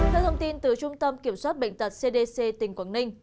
theo thông tin từ trung tâm kiểm soát bệnh tật cdc tỉnh quảng ninh